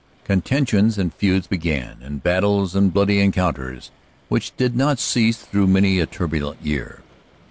Contentions and feuds began, and battles and bloody encounters, which did not cease through many a turbulent year.